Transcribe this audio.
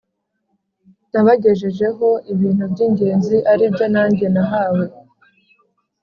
Nabagejejeho ibintu by ingenzi ari byo nanjye nahawe